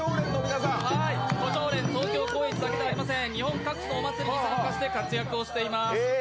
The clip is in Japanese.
胡蝶蓮東京高円寺だけではありません、日本各地のお祭りに参加して活躍をしています。